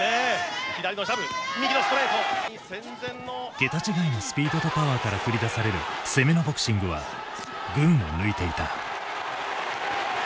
桁違いのスピードとパワーから繰り出される攻めのボクシングは群を抜いていた。